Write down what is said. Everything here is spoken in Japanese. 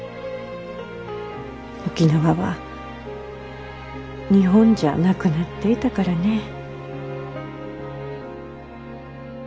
沖縄は日本じゃなくなっていたからねぇ。